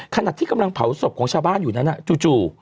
ขณะที่กำลังเผาศพของชาวบ้านอยู่นั้นจู่